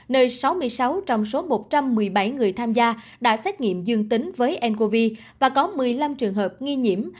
nơi sáu mươi sáu trong số một trăm một mươi bảy người tham gia đã xét nghiệm dương tính với ncov và có một mươi năm trường hợp nghi nhiễm